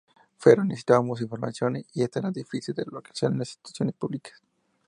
Pero necesitábamos información y esta era difícil de localizar en las instituciones públicas.